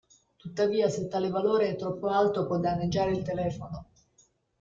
Tuttavia, se tale valore è troppo alto, può danneggiare il telefono.